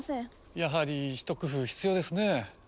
やはり一工夫必要ですねえ。